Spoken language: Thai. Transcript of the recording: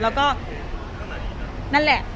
แล้วก็นั่นแหละ